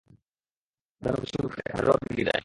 জানো, কিছু লোকের এখানে রোদ লেগে যায়।